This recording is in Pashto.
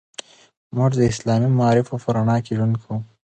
موږ د اسلامي معارفو په رڼا کې ژوند کوو.